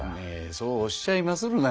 そうおっしゃいまするな。